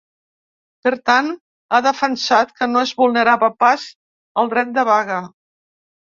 Per tant, ha defensat que no es vulnerava pas el dret de vaga.